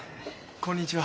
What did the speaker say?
こんにちは。